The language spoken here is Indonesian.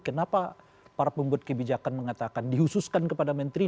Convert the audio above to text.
kenapa para pembuat kebijakan mengatakan dihususkan kepada menteri